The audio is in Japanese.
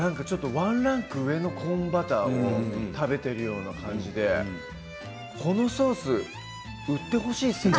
ワンランク上のコーンバターを食べているような感じでこのソース売ってほしいですね。